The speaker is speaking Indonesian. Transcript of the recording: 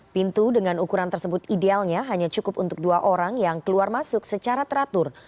pintu dengan ukuran tersebut idealnya hanya cukup untuk dua orang yang keluar masuk secara teratur